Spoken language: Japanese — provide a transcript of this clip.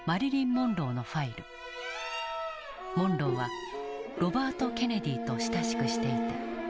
モンローはロバート・ケネディと親しくしていた。